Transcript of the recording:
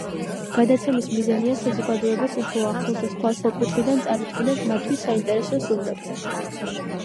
გადაცემის მიზანია საზოგადოებას უფრო ახლოს და სხვადასხვა კუთხიდან წარუდგინოს მათთვის საინტერესო სტუმრები.